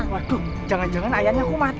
waduh jangan jangan ayahnya aku mati